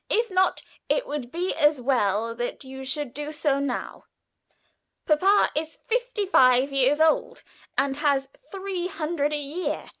If not, it would be as well that you should do so now. Papa is fifty five years old, and has three hundred a year.